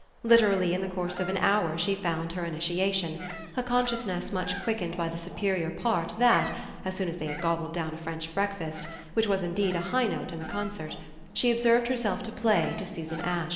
Literally in the course of an hour she found her initiation; a consciousness much quickened by the superior part that, as soon as they had gobbled down a French breakfast which was indeed a high note in the concert she observed herself to play to Susan Ash.